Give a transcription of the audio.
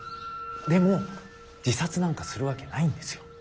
でも自殺なんかするわけないんですよ。